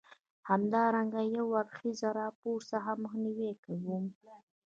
همدارنګه له یو اړخیز راپور څخه مخنیوی کوم.